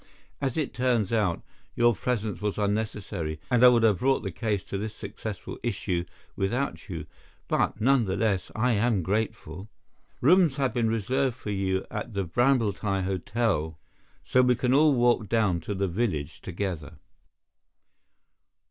As it turns out your presence was unnecessary, and I would have brought the case to this successful issue without you, but, none the less, I am grateful. Rooms have been reserved for you at the Brambletye Hotel, so we can all walk down to the village together."